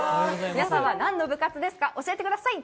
皆さんは何の部活ですか、教えてください。